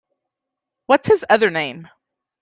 What’s his other name?